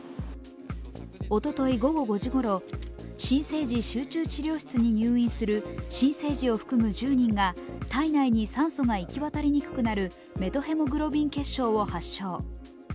おととい午後５時ごろ、新生児集中治療室に入院する新生児を含む１０人が体内に酸素が行き渡りにくくなるメトヘモグロビン血症を発症。